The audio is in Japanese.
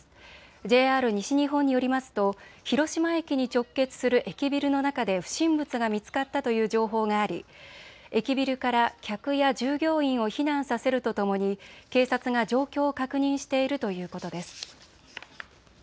ＪＲ西日本によりますと広島駅に直結する駅ビルの中で不審物が見つかったという情報があり駅ビルから客や従業員を避難させるとともに警察が状況を確認しているということです。